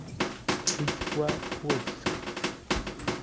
Wisła Płock